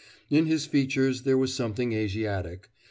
In his features there was something Asiatic.